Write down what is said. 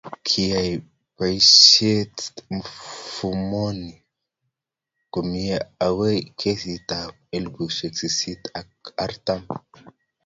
Kiayai boisiet mfumoini komie agoi kenyit ab elipusiek sisit ak artam